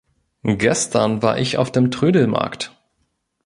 Gestern war ich auf dem Trödelmarkt.